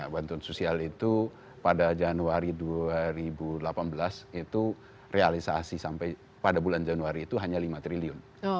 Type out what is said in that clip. bantuan sosial itu pada januari dua ribu delapan belas itu realisasi sampai pada bulan januari itu hanya lima triliun